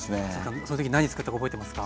その時何つくったか覚えてますか？